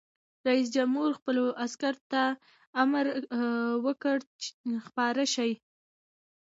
رئیس جمهور خپلو عسکرو ته امر وکړ؛ خپاره شئ!